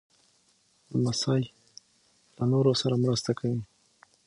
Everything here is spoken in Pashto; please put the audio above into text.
لمسی له نورو سره مرسته کوي.